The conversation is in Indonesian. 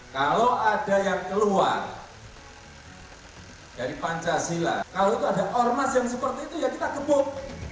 kalau ada yang keluar dari pancasila kalau itu ada ormas yang seperti itu ya kita gebuk